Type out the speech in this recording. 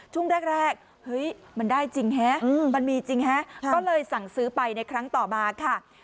ช่วงแรกเฮ้ยมันได้จริงฮะมันมีจริงฮะก็เลยสั่งซื้อไปในครั้งต่อมาค่ะ